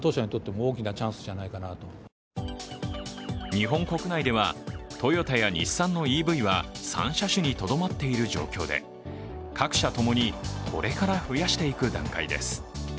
日本国内では、トヨタや日産のＥＶは３車種にとどまっている状況で各社ともにこれから増やしていく段階です。